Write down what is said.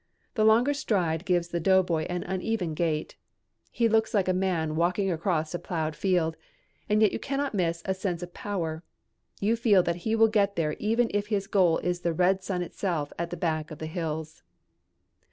The longer stride gives the doughboy an uneven gait. He looks like a man walking across a plowed field and yet you cannot miss a sense of power. You feel that he will get there even if his goal is the red sun itself at the back of the hills.